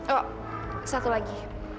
oh satu lagi